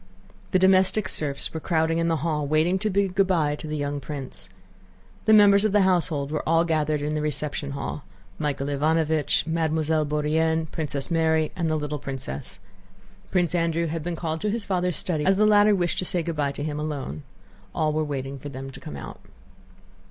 The domestic serfs were crowding in the hall, waiting to bid good by to the young prince. The members of the household were all gathered in the reception hall: Michael Ivánovich, Mademoiselle Bourienne, Princess Mary, and the little princess. Prince Andrew had been called to his father's study as the latter wished to say good by to him alone. All were waiting for them to come out.